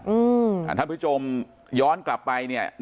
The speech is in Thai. สำคัญท่านผู้ชมย้อนกลับไป